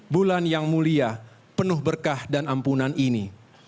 bulan yang mulia penuh berkah dan ampunan ini